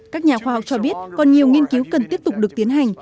các nhà khoa học cho biết còn nhiều nghiên cứu cần tiếp tục được tiến hành